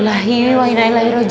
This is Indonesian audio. seneng banget siang abad